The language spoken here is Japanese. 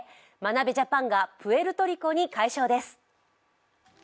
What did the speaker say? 眞鍋ジャパンがプエルトリコに快勝です。